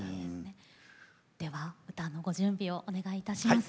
では歌のご準備をお願いいたします。